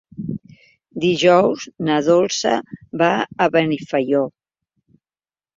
Dijous na Dolça va a Benifaió.